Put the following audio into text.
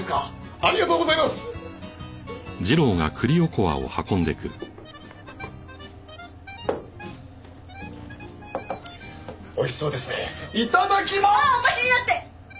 ああっお待ちになって！